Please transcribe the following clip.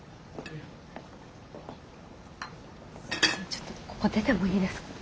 ちょっとここ出てもいいですか。